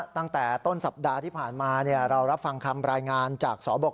ตั้งแต่ต้นสัปดาห์ที่ผ่านมาเรารับฟังคำรายงานจากสบค